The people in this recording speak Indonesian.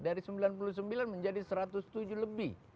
dari sembilan puluh sembilan menjadi satu ratus tujuh lebih